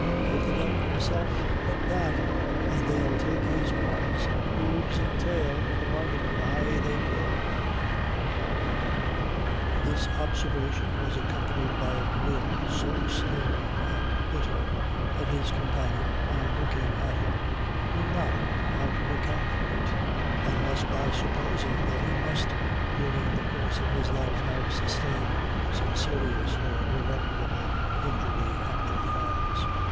Give the divil himself but that, and they'll take his horns, hooves, and tail into the bargain ay, will they." This observation was accompanied by a grin so sneering and bitter, that his companion, on looking at him, knew not how to account for it, unless by supposing that he must during the course of his life have sustained some serious or irreparable injury at their hands.